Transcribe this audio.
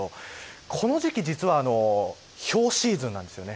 この時季実はひょうシーズンなんです。